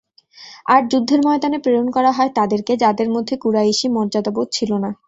আর যুদ্ধের ময়দানে প্রেরণ করা হয় তাদেরকে, যাদের মধ্যে কুরাইশী মর্যাদাবোধ ছিল না।